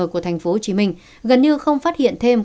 của tp hcm gần như không phát hiện thêm